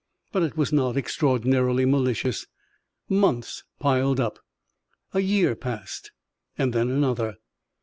But it was not extraordinarily malicious. Months piled up. A year passed and then another.